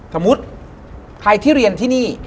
สมมุติใครที่เรียนที่นี่